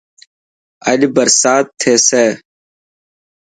اڄ برسات ٿيسي.